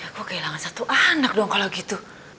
aku kehilangan satu anak dong kalau gitu